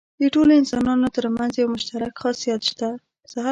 د ټولو انسانانو تر منځ یو مشترک خاصیت شته.